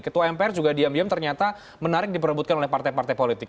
ketua mpr juga diam diam ternyata menarik diperebutkan oleh partai partai politik